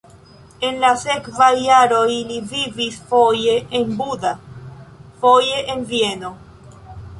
En la sekvaj jaroj li vivis foje en Buda, foje en Vieno.